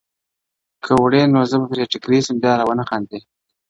کي وړئ نو زه به پرې ټيکری سم بيا راونه خاندې,